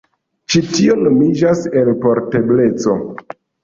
Ĉi tio nomiĝas elportebleco.